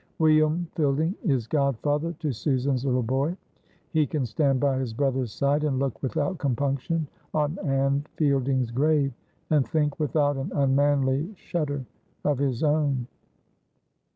William Fielding is godfather to Susan's little boy. He can stand by his brother's side and look without compunction on Anne Fielding's grave, and think without an unmanly shudder of his own.